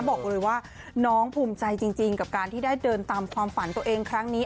บอกเลยว่าน้องภูมิใจจริงกับการที่ได้เดินตามความฝันตัวเองครั้งนี้